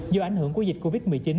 do ảnh hưởng của dịch covid một mươi chín